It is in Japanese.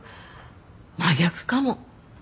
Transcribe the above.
真逆かも。